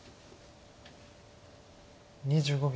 ２５秒。